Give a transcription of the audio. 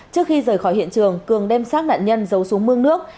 trước khi rời khỏi hiện trường cường đem xác nạn nhân giấu xuống mương nước